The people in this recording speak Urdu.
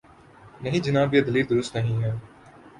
نہیں جناب، یہ دلیل درست نہیں ہے۔